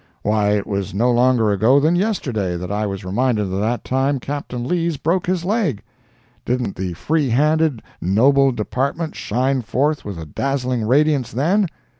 Why, it was no longer ago than yesterday that I was reminded of that time Captain Lees broke his leg. Didn't the free handed, noble Department shine forth with a dazzling radiance then?